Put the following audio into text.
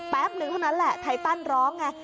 แป๊บนึงเท่านั้นแหละไทตันร้องไง